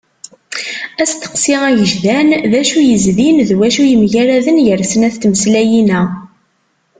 Aseqsi agejdan: D acu yezdin d wacu yemgaraden gar snat n tmeslayin-a.